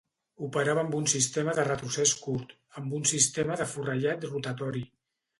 Operava amb un sistema de retrocés curt, amb un sistema de forrellat rotatori.